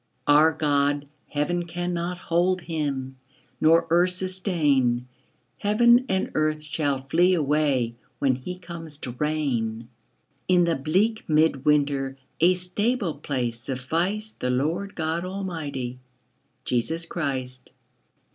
Our God, heaven cannot hold Him, Nor earth sustain; Heaven and earth shall flee away When He comes to reign: In the bleak mid winter A stable place sufficed The Lord God Almighty, Jesus Christ.